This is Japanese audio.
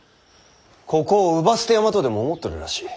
ここを姥捨て山とでも思っとるらしい。